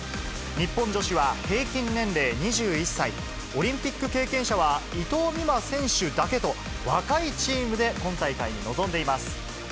日本女子は、平均年齢２１歳、オリンピック経験者は伊藤美誠選手だけと、若いチームで今大会に臨んでいます。